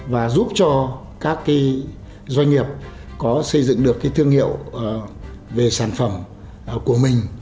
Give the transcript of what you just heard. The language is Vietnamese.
và giúp cho các doanh nghiệp có xây dựng được thương hiệu về sản phẩm của mình